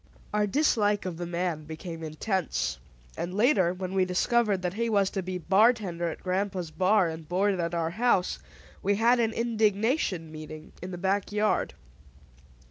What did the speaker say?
Our dislike of the man became intense; and later, when we discovered that he was to be bartender at grandpa's bar, and board at our house, we held an indignation meeting in the back yard.